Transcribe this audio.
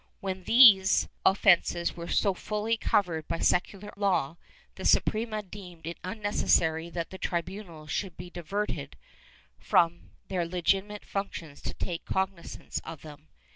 ^ When these offences were so fully covered by secular law, the Suprema deemed it unnecessary that the tribunals should be diverted from their legitimate functions to take cognizance of them.